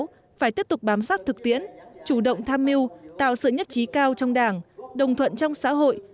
đảng phải tiếp tục bám sát thực tiễn chủ động tham mưu tạo sự nhất trí cao trong đảng đồng thuận trong xã hội